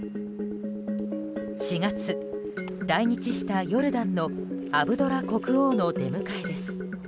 ４月、来日したヨルダンのアブドラ国王の出迎えです。